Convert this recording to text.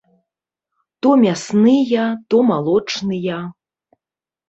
То мясныя, то малочныя.